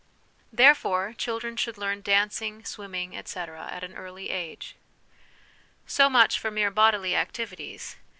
Therefore Children should learn Dancing, Swimming, etc., at an Early Age. So much for mere bodily activities.